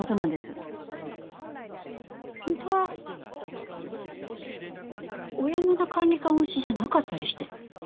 本当は小山田管理官推しじゃなかったりして。